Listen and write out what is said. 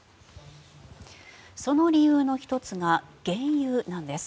その理由の１つが原油なんです。